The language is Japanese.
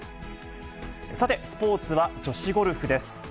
さて、スポーツは女子ゴルフです。